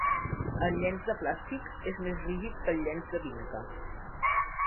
El llenç de plàstic és més rígid que el llenç de Binca.